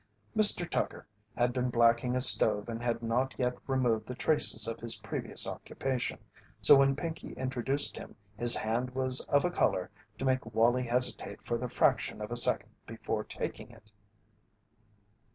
Mr. Tucker had been blacking a stove and had not yet removed the traces of his previous occupation, so when Pinkey introduced him his hand was of a colour to make Wallie hesitate for the fraction of a second before taking it.